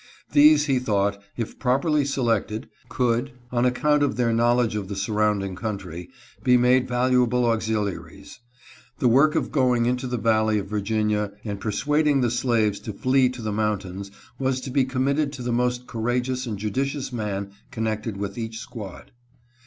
These, he thought, if properly selected, could, on account of their knowledge of the surrounding country, be made valuable auxiliaries. The work of going into the valley of Virginia and persuading the slaves to flee to the mountains was to be committed to the most courageous and judicious man connected with each squad.